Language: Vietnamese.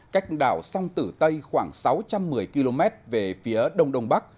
cách đảo song tử tây khoảng sáu trăm một mươi km về phía đông đông bắc